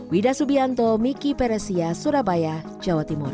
wida subianto miki peresia surabaya jawa timur